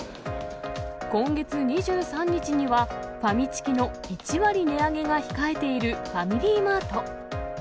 今月２３日には、ファミチキの１割値上げが控えているファミリーマート。